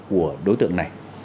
của đối tượng này